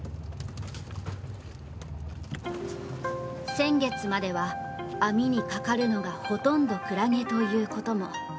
先月までは網にかかるのがほとんどクラゲということも。